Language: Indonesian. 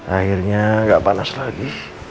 akhirnya enggak panas lagi